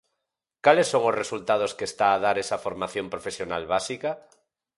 ¿Cales son os resultados que está a dar esa Formación Profesional Básica?